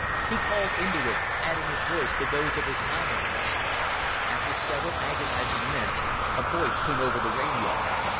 He called into it, adding his voice to those of his comrades. After several agonizing minutes, a voice came over the radio.